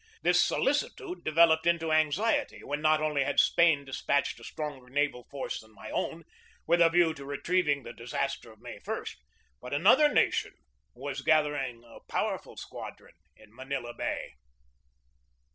This solicitude developed into anxiety when not only had Spain despatched a stronger naval force than my own, with a view to retrieving the disaster of May i, but another nation was gathering a powerful squadron in Manila Bay.